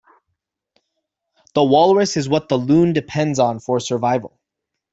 The walrus is what the loon depends on for survival.